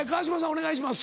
お願いします。